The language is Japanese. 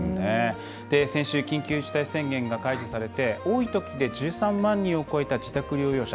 先週、緊急事態宣言が解除されて、多いときで１３万人を超えた自宅療養者。